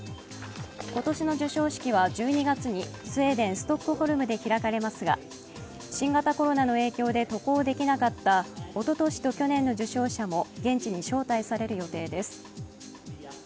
今年の授賞式は１２月にスウェーデン・ストックホルムで開かれますが、新型コロナの影響で渡航できなかったおととしと去年の受賞者も現地に招待される予定です。